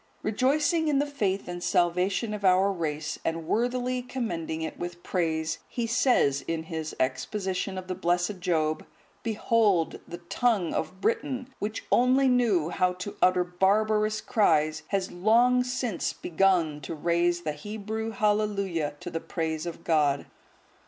Rejoicing in the faith and salvation of our race, and worthily commending it with praise, he says, in his exposition of the blessed Job, "Behold, the tongue of Britain, which only knew how to utter barbarous cries, has long since begun to raise the Hebrew Hallelujah to the praise of God!